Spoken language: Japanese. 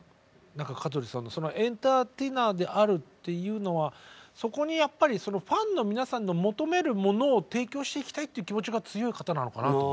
何か香取さんのエンターテイナーであるっていうのはそこにやっぱりそのファンの皆さんの求めるものを提供していきたいっていう気持ちが強い方なのかなと。